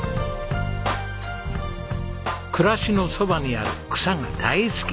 暮らしのそばにある草が大好き。